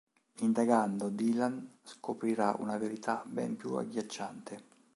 Indagando, Dylan scoprirà una verità ben più agghiacciante.